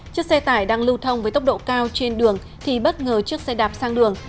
chiếc xe tải đang lưu thông với tốc độ cao trên đường thì bất ngờ chiếc xe đạp sang đường